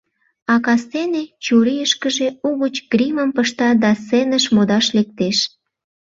А кастене чурийышкыже угыч гримым пышта да сценыш модаш лектеш.